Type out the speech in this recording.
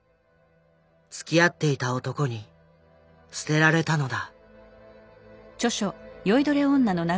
つきあっていた男に捨てられたのだ。